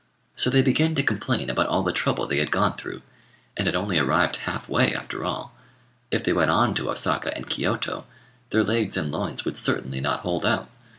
So they began to complain about all the trouble they had gone through, and had only arrived half way after all: if they went on to Osaka and Kiôto, their legs and loins would certainly not hold out.